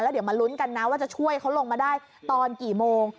เดี๋ยวมาลุ้นกันนะว่าจะช่วยเขาลงมาได้ตอนกี่โมง